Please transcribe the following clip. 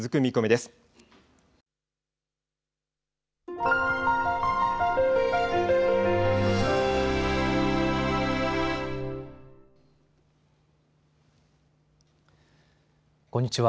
こんにちは。